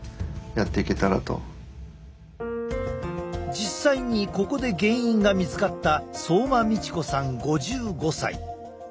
実際にここで原因が見つかった相馬美智子さん５５歳。